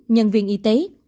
nhân viên y tế